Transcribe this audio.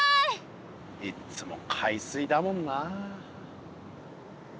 いっつも海水だもんな。